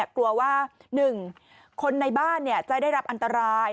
กลัวว่า๑คนในบ้านจะได้รับอันตราย